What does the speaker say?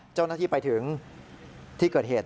เจ้าหน้าที่ไปถึงที่เกิดเหตุ